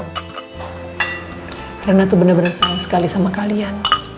karena tuh bener bener sayang sekali sama kalian